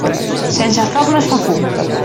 Sense foc no es fa fum.